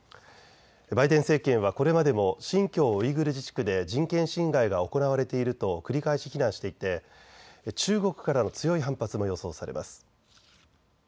バイデン政権はこれまでも新疆ウイグル自治区で人権侵害が行われていると繰り返し非難していて中国からの強い反発も予想されます。